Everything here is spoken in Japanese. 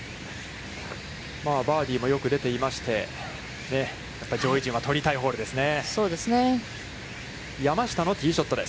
バーディーもよく出ていまして、やっぱり上位陣は取りたいホールですね。